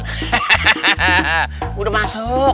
hehehe udah masuk